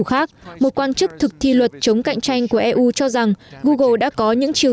khác một quan chức thực thi luật chống cạnh tranh của eu cho rằng google đã có những chiều